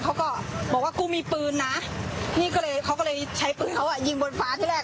เขาก็บอกว่ากูมีปืนนะพี่ก็เลยเขาก็เลยใช้ปืนเขาอ่ะยิงบนฟ้าที่แรก